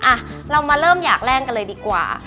อ่ะเรามาเริ่มอยากแล่งกันเลยดีกว่า